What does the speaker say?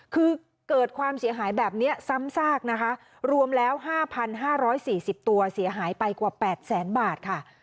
คือเกิดความเสียหายแบบนี้ซ้ำซากนะคะรวมแล้ว๕๕๔๐ตัวเสียหายไปกว่า๘แสนบาทค่ะ